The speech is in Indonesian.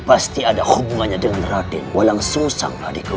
pasti ada hubungannya dengan raden walang susang radikal